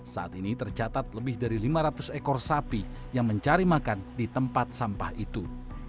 saat ini tercatat lebih dari lima ratus ekor sapi yang mencari makan di tempat sampah itu